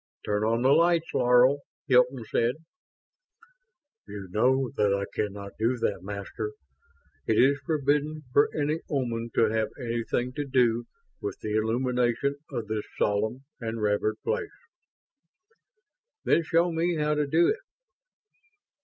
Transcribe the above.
"Turn on the lights, Laro," Hilton said. "You know that I cannot do that, Master. It is forbidden for any Oman to have anything to do with the illumination of this solemn and revered place." "Then show me how to do it."